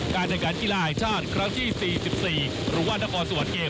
การทางการกีฬาอาญชาติครั้งที่๔๔หรือวัดนครสวรรค์เกม